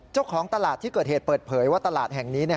เจ้าของตลาดที่เกิดเหตุเปิดเผยว่าตลาดแห่งนี้